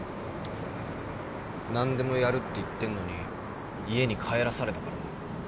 何でもやるって言ってんのに家に帰らされたからね。